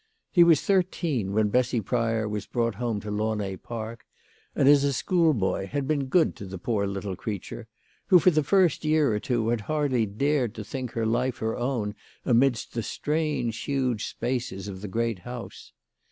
He was thirteen when Bessy Pry or was brought home to Launay Park, and, as a school boy, had been good to the poor little creature, who for the first year or two had hardly dared to think her life her own amidst the strange huge spaces of the great house.